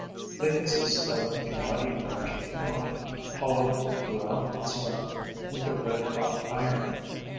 They consist of a mighty branch of pine, hollowed throughout its length with a red hot iron.